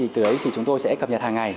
từ đấy thì chúng tôi sẽ cập nhật hàng ngày